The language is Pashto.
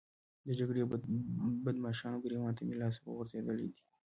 د جګړې د بدماشانو ګرېوان ته مې لاس ورغځولی دی.